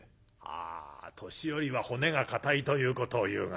「あ年寄りは骨が硬いということをいうがな